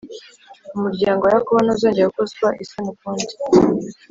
Umuryango wa Yakobo ntuzongera gukozwa isoni ukundi,